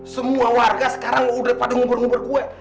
semua warga sekarang udah pada ngubur ngubur gue